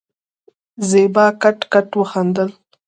زېبا کټ کټ وخندل.